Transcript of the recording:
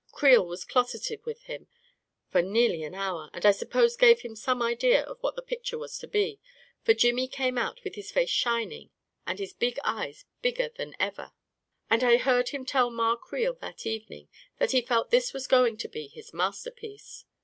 Creel was closeted with him for nearly an hour, and I suppose gave him some idea of what the picture was to be, for Jimmy came out with his face shining and his big eyes bigger than ever, and I heard him tell Ma Creel that evening that he felt this was going to be his masterpiece.